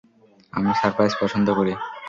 আমি সারপ্রাইজ পছন্দ করি।